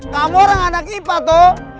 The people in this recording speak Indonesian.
kamu orang anak ipa tuh